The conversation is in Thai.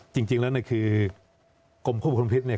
จริงแล้วเนี่ยคือกรมควบคุมพิษเนี่ย